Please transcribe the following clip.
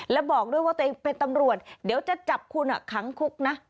แล้วบอกด้วยว่าตัวเองเป็นตำรวจเดี๋ยวจะจับคุณขังคุกนะ